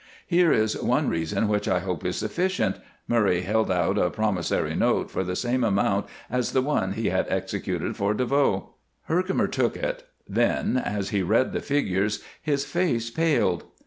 "Here is one reason which I hope is sufficient." Murray held out a promissory note for the same amount as the one he had executed for DeVoe. Herkimer took it, then, as he read the figures, his face paled.